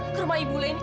ke rumah ibu lain